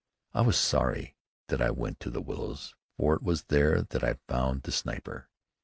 I was sorry that I went to the willows, for it was there that I found the sniper.